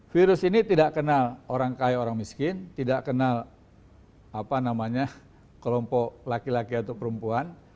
virus ini tidak kenal orang kaya orang miskin tidak kenal kelompok laki laki atau perempuan